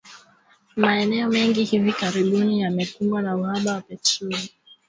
Maeneo mengi hivi karibuni yamekumbwa na uhaba wa petroli